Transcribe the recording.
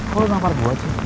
kok lu tak parah buat